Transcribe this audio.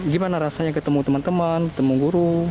gimana rasanya ketemu teman teman ketemu guru